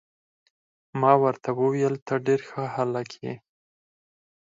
ما ورته وویل: ته ډیر ښه هلک يې.